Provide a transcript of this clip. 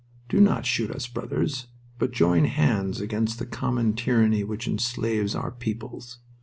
Do not shoot us, brothers, but join hands against the common tyranny which enslaves our peoples."